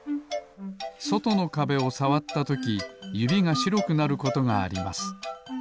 そとのかべをさわったときゆびがしろくなることがあります。